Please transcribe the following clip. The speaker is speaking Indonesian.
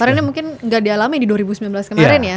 karena mungkin gak dialami di dua ribu sembilan belas kemarin ya